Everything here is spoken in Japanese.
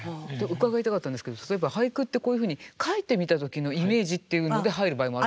伺いたかったんですけど例えば俳句ってこういうふうに書いてみた時のイメージっていうので入る場合もあるんですか？